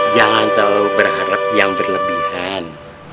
jangan terlalu berharap yang berlebihan